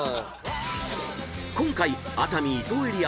［今回熱海・伊東エリア